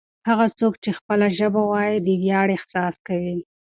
هغه څوک چې خپله ژبه وايي د ویاړ احساس کوي.